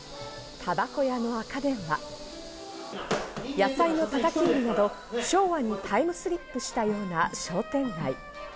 たばこ屋の赤電話、野菜のたたき売りなど昭和にタイムスリップしたような商店街。